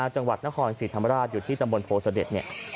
จังหวัดนครสิทธรรมราชอยู่ที่ตามบลโภษเด็ด